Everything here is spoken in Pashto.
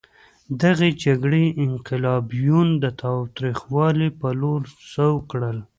دغې جګړې انقلابیون د تاوتریخوالي په لور سوق کړل.